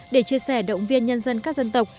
để chia sẻ động viên nhân dân các dân tộc